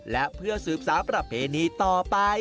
และเพื่อสืบสารประเพณีต่อไป